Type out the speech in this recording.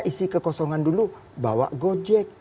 isi kekosongan dulu bawa gojek